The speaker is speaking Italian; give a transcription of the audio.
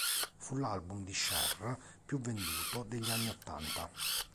Fu l'album di Cher più venduto degli anni ottanta.